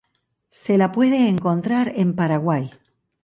Se la puede encontrar en Paraguay.